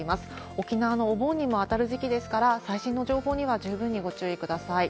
沖縄のお盆にも当たる時期ですから、最新の情報には十分にご注意ください。